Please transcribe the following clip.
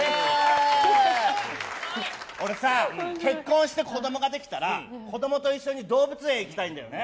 俺さ、結婚して子供ができたらさ、子供と一緒に動物園行きたいんだよね。